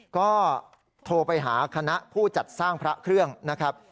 ก็โทรไปหาคณะผู้จัดสร้างพระเครื่องนะครับ